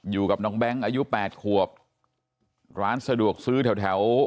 อยู่กับน้องแบงค์อายุแปดขวบร้านสะดวกซื้อแถวแถว